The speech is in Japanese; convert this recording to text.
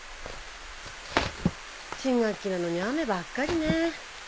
新学期なのに雨ばっかりね。